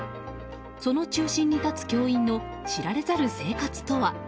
その中心に立つ教員の知られざる生活とは？